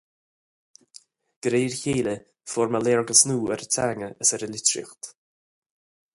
De réir a chéile fuair mé léargas nua ar an teanga is ar an litríocht.